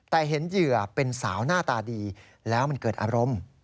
แต่เห็นเหยื่อเป็นสาวหน้าตาดีแล้วมันเกิดอารมณ์